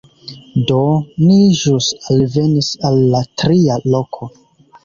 Do, ni ĵus alvenis al la tria loko